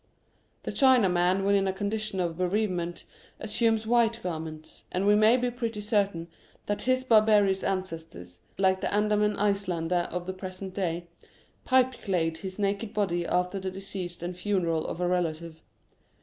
The Chinaman when in a condition of bereave ment assumes white garments, and we may be pretty certain that his barbarous ancestor, like the Andaman Islander of the present day, pipeclayed his naked body after the decease and funeral of a relative.